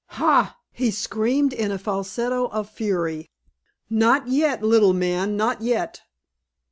"Ha!" he screamed in a falsetto of fury, "not yet, little man, not yet!"